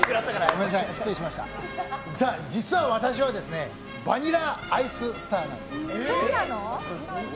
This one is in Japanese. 実は私はバニラアイススターなんです。